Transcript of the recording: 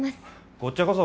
こっちゃこそ。